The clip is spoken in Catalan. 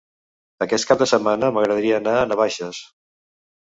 Aquest cap de setmana m'agradaria anar a Navaixes.